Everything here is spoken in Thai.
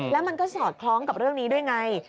แล้วมันก็สอดคล้องกับเรื่องนี้ด้วยไง